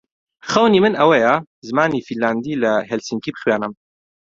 خەونی من ئەوەیە زمانی فینلاندی لە هێلسینکی بخوێنم.